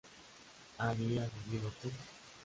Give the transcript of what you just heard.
¿habías vivido tú?